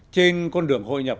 trên con đường hội nhập